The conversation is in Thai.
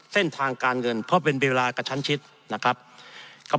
เส้นทางการเงินเพราะเป็นเวลากระชั้นชิดนะครับเขา